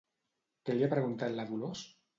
Què li ha preguntat la Dolors?